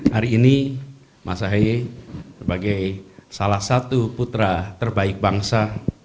hari ini mas ahaye sebagai salah satu putra terbaik bangsa